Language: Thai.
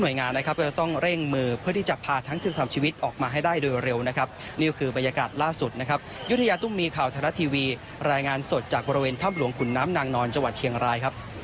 ยุธยาตุ้มมีข่าวธนาทีวีรายงานสดจากบริเวณถ้ำหลวงขุนน้ำนางนอนจังหวัดเชียงรายครับ